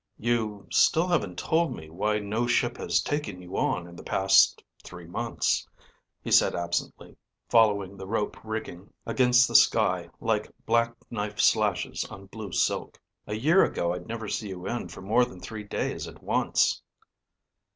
"You still haven't told me why no ship has taken you on in the past three months," he said absently, following the rope rigging against the sky like black knife slashes on blue silk. "A year ago I'd never see you in for more than three days at once."